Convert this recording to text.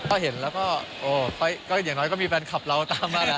ก็เห็นแล้วก็อย่างน้อยก็มีแฟนคลับเราตามมานะ